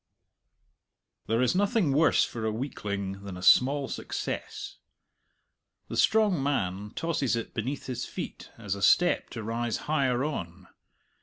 There is nothing worse for a weakling than a small success. The strong man tosses it beneath his feet as a step to rise higher on.